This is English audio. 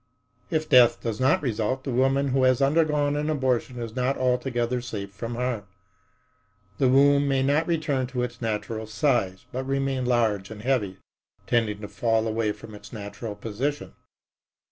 If death does not result, the woman who has undergone an abortion is not altogether safe from harm. The womb may not return to its natural size, but remain large and heavy, tending to fall away from its natural position.